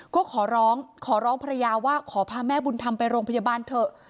ก็ขอร้องขอร้องภรรยาว่าขอพาแม่บุญธรรมไปโรงพยาบาลเถอะ